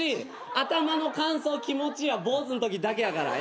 頭の感想気持ちいいは坊主んときだけやから。